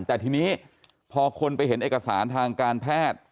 แต่ทีนี้พอคนไปเห็นเอกสารทางการแพทย์